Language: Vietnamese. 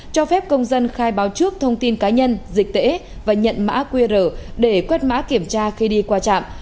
cho phép công dân khai báo trước thông tin cá nhân dịch tễ và nhận mã qr để quét mã kiểm tra khi đi qua trạm